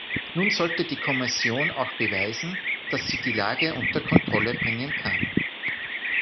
Nun sollte die Kommission auch beweisen, dass sie die Lage unter Kontrolle bringen kann.